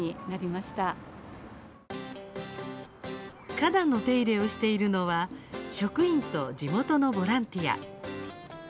花壇の手入れをしているのは職員と地元のボランティア。